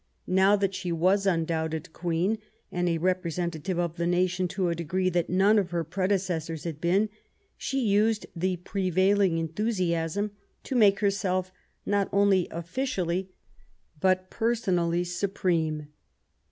Now that she was undoubted Queen, and a representative of the nation to a degree that none of her predecessors had been, she used the prevailing enthusiasm to make herself not only officially, but personally, supreme.